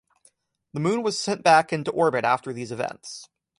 The moon was sent back into orbit after these events.